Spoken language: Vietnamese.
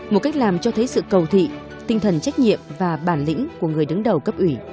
một cách làm cho thấy sự cầu thị tinh thần trách nhiệm và bản lĩnh của người đứng đầu cấp ủy